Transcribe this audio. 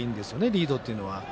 リードっていうのは。